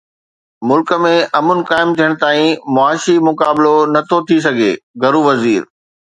ملڪ ۾ امن قائم ٿيڻ تائين معاشي مقابلو نٿو ٿي سگهي: گهرو وزير